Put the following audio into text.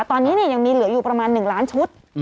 ตอนนี้ยังมีเหลืออยู่ประมาณ๑ล้านชุด